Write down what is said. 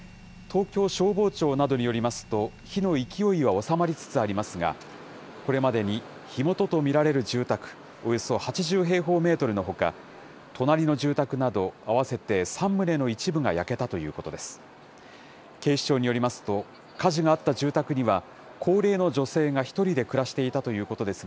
東京消防庁などによりますと、火の勢いは収まりつつありますが、これまでに火元と見られる住宅およそ８０平方メートルのほか、隣の住宅など合わせて３棟の一部が焼けたということです。